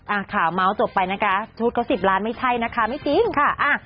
อ่าค่ะมาร์ทจบไปนะคะชุดเขา๑๐ล้านไม่ใช่นะคะไม่จริงค่ะ